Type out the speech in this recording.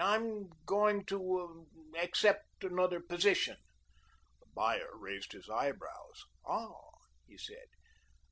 I am going to er ah accept another position." The buyer raised his eyebrows. "Ah!" he said.